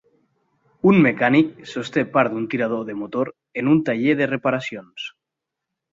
Un mecànic sosté part d'un tirador de motor en un taller de reparacions.